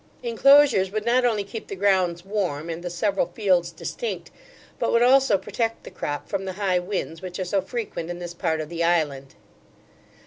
Inclosures would not only keep the grounds warm, and the several fields distinct, but would also protect the crop from the high winds, which are so frequent in this part of the island.